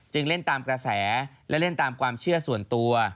เล่นตามกระแสและเล่นตามความเชื่อส่วนตัว